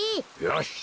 よし。